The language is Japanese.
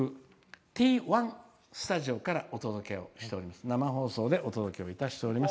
Ｔ１スタジオから生放送でお届けしております。